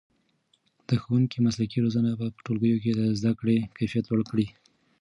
د ښوونکو مسلکي روزنه به په ټولګیو کې د زده کړې کیفیت لوړ کړي.